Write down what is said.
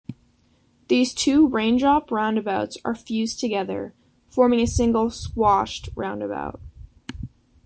These two raindrop roundabouts are fused together, forming a single "squashed" roundabout.